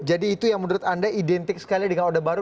jadi itu yang menurut anda identik sekali dengan order baru